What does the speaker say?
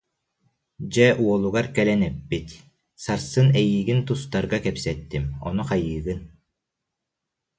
Дьэ уолугар кэлэн эппит: «Сарсын эйиигин тустарга кэпсэттим, ону хайыыгын